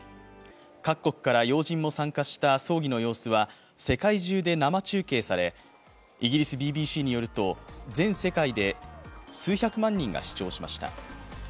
各国から要人も参加した葬儀の様子は世界中で生中継されイギリスＢＢＣによると全世界で数百万人が視聴しました。